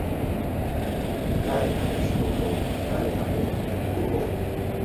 لایێ هەموو شکۆفە و، لایی هەموو گوڵووک